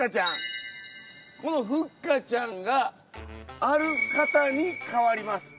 このふっかちゃんがある方に変わります。